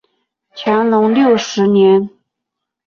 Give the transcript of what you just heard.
乾隆六十年。